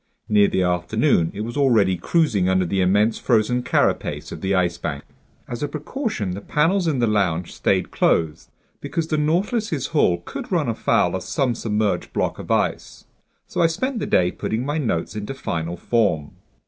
Near the afternoon it was already cruising under the immense frozen carapace of the Ice Bank. As a precaution, the panels in the lounge stayed closed, because the Nautilus's hull could run afoul of some submerged block of ice. So I spent the day putting my notes into final form.